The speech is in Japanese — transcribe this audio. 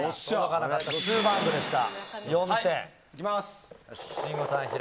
ツーバウンドでした。